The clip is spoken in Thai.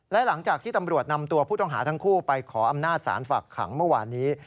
และหลังจากที่ตำรวจนำตัวผู้ต้องหาทั้งคู่ไปขออำนาจศาลฝากขังเมื่อวานนี้